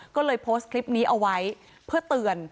ก็เลยโพสต์คลิปนี้เอาไว้เพื่อเตือน